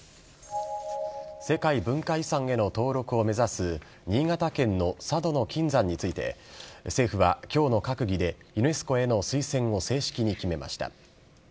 世界文化遺産への登録を目指す新潟県の佐渡島の金山について、政府はきょうの閣議で、ユネスコへの推薦を正式に決めました。